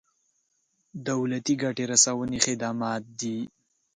دولتي ګټې رسونې خدمات دي.